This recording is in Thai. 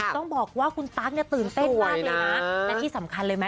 ต้องบอกว่าคุณตั๊กตื่นเต้นมากเลยนะ